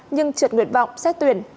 nhưng trượt nguyện vọng xét tuyển